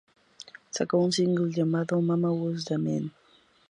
Sacó un single llamado "Mama Who's Da Man".